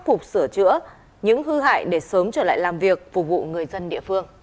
phục sửa chữa những hư hại để sớm trở lại làm việc phục vụ người dân địa phương